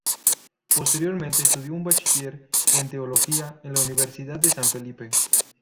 Posteriormente estudió un bachiller en teología en la Universidad de San Felipe.